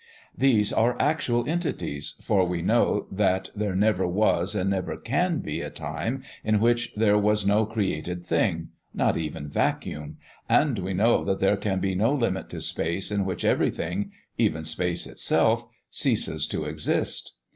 These are actual entities, for we know that there never was and never can be a time in which there was no created thing not even vacuum and we know that there can be no limit to space in which everything even space itself ceases to exist.